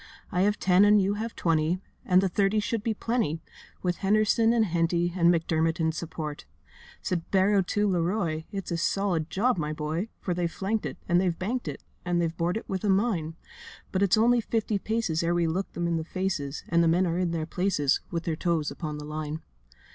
I have ten and you have twenty, And the thirty should be plenty, With Henderson and Henty And McDermott in support.' Said Barrow to Leroy, 'It's a solid job, my boy, For they've flanked it, and they've banked it, And they've bored it with a mine. But it's only fifty paces Ere we look them in the faces; And the men are in their places, With their toes upon the line.